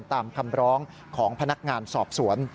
ตามคำร้องของพนักงานสอบสวน